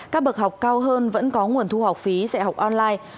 các bậc học cao hơn vẫn có nguồn thu học phí dạy học online